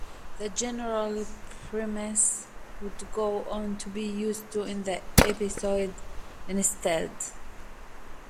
The general premise would go on to be used in the episode "" instead.